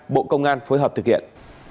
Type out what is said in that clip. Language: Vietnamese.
bộ công an phối hợp thực hiện